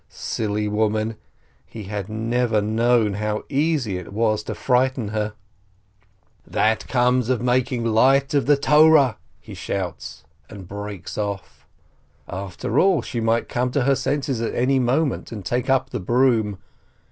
Silly woman ! He had never known how easy it was to frighten her. 60 PEREZ "That comes of making light of the Torah!" he shouts, and breaks off. After all, she might come to her senses at any moment, and take up the broom!